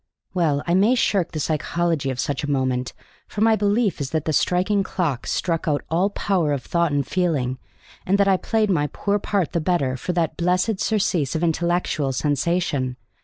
Well may I shirk the psychology of such a moment, for my belief is that the striking clocks struck out all power of thought and feeling, and that I played my poor part the better for that blessed surcease of intellectual sensation.